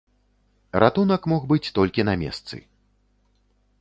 Ратунак мог быць толькі на месцы.